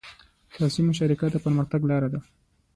سیاسي مشارکت د پرمختګ لاره ده